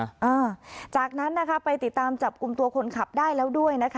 อ่าจากนั้นนะคะไปติดตามจับกลุ่มตัวคนขับได้แล้วด้วยนะคะ